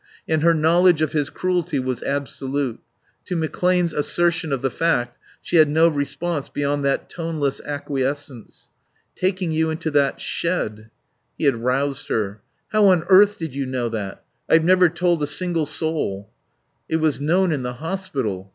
And her knowledge of his cruelty was absolute. To McClane's assertion of the fact she had no response beyond that toneless acquiescence. "Taking you into that shed " He had roused her. "How on earth did you know that? I've never told a single soul." "It was known in the hospital.